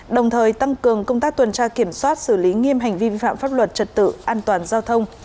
đồng thời tăng cường công tác tuần tra kiểm soát xử lý nghiêm hành vi vi phạm pháp luật trật tự an toàn giao thông